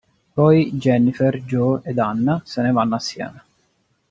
Poi Jennifer, Joe ed Anna se ne vanno assieme.